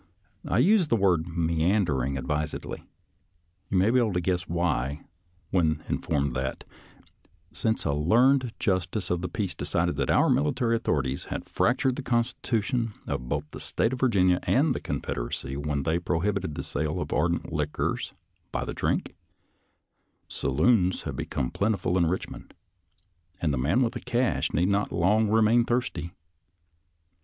I use the word " meandering " advisedly. You may be able to guess why, when informed that, since a learned justice of the peace decided that our military authorities had fractured the constitutions of both the State of Virginia and the Confederacy when they pro hibited the sale of ardent liquors by the drink, saloons have become plentiful in Richmond, and the man with the cash need not long remain thirsty.